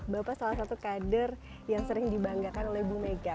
bapak salah satu kader yang sering dibanggakan oleh bu mega